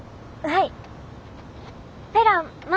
はい！